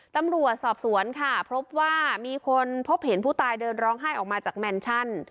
ตำรวจสอบสวนค่ะพบว่ามีคนพบเห็นผู้ตายเดินร้องไห้ออกมาจากแมนชั่น